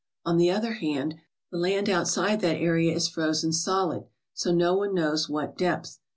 On the other hand, the land outside that area is frozen solid to no one knows what depth.